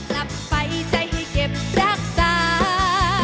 หลับไฟใจให้เก็บรักษา